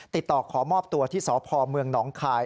ติดต่อขอมอบตัวที่สพเมืองหนองคาย